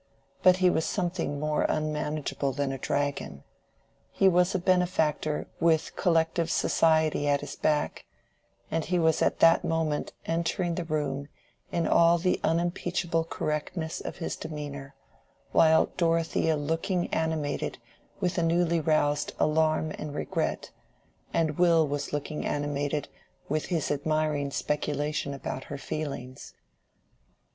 But he was something more unmanageable than a dragon: he was a benefactor with collective society at his back, and he was at that moment entering the room in all the unimpeachable correctness of his demeanor, while Dorothea was looking animated with a newly roused alarm and regret, and Will was looking animated with his admiring speculation about her feelings.